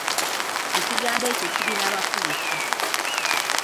Ekigambo ekyo kirina makulu ki?